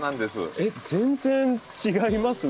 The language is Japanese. えっ全然違いますね。